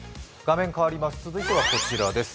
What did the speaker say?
続いてはこちらです。